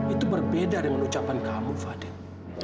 itu berbeda dengan ucapan kamu fadil